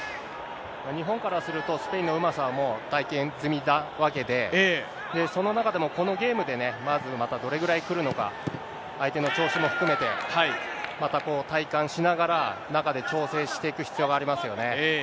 日本からすると、スペインのうまさはもう体験済みなわけで、その中でもこのゲームで、マークがまたどれぐらいくるのか、相手の調子も含めて、また体感しながら、中で調整していく必要がありますよね。